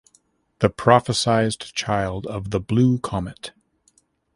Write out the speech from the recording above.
The prophesied child of the blue comet.